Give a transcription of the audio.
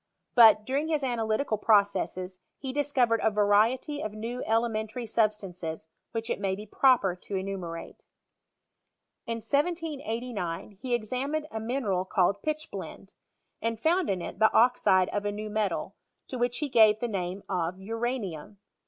But, during his analytical processes, he discovered a variety of new elementary substances "which it may be proper to enumerate. In 1789 he examined a mineral called pechblendey and found in it the oxide of a hew metal, to which he gave the name of uranium.